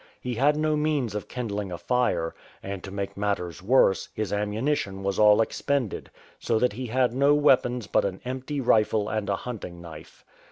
He had no means of kindling a fire, and to make matters worse, his ammunition was all expended, so that he had no weapons but an empty rifle and a hunting knife.